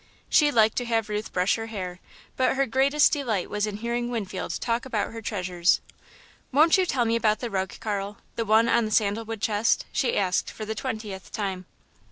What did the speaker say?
She liked to have Ruth brush her hair, but her greatest delight was in hearing Winfield talk about her treasures. "Won't you tell me about the rug, Carl, the one on the sandal wood chest?" she asked, for the twentieth time.